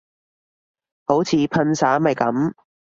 好似噴曬咪噉